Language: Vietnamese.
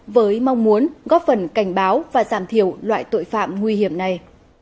với mong muốn góp phần cảnh báo và giảm thiểu loại tội phạm nguy hiểm này